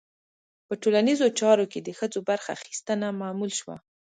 په ټولنیزو چارو کې د ښځو برخه اخیستنه معمول شوه.